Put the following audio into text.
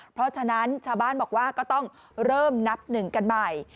เพราะฉะนั้นชาวบ้านบอกว่าก็ต้องเริ่มนับหนึ่งกันใหม่